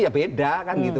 ya beda kan gitu